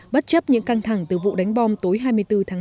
bất chấp những căng thẳng từ vụ đánh bom tối hai mươi bốn tháng năm